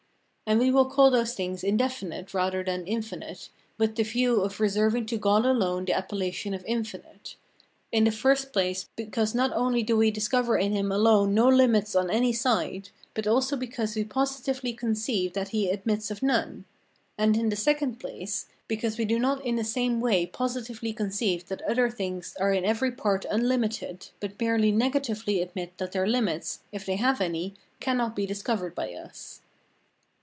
And we will call those things indefinite rather than infinite, with the view of reserving to God alone the appellation of infinite; in the first place, because not only do we discover in him alone no limits on any side, but also because we positively conceive that he admits of none; and in the second place, because we do not in the same way positively conceive that other things are in every part unlimited, but merely negatively admit that their limits, if they have any, cannot be discovered by us.